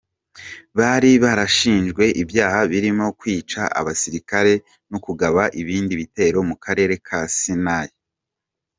Bari barashinjwe ibyaha birimo kwica abasirikare no kugaba ibindi bitero mu karere ka Sinai.